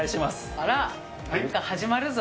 あら、なんか始まるぞ。